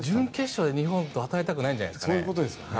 準決勝で日本と当たりたくないんじゃないですか。